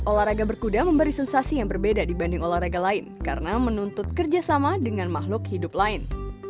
olahraga berkuda memberi sensasi yang berbeda dibanding olahraga lain karena menuntut kerjasama dengan makhluk hidup lain